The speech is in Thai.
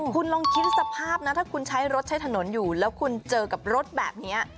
คุณลองคิดสภาพนะถ้าคุณใช้รถใช้ถนนอยู่แล้วคุณเจอกับรถแบบนี้